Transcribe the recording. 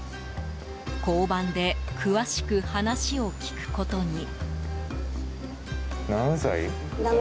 交番で詳しく話を聞くことに。